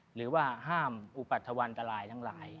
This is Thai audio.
หรือว่าห้ามอุปัทธวันตรายทั้งหลาย